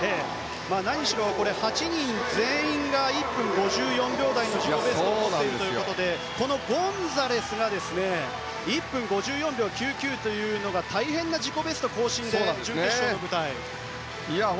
何しろ、８人全員が１分５４秒台の自己ベストを持っているということでこのゴンサレスが１分５４秒９９が大変な自己ベスト更新で準決勝の舞台ですね。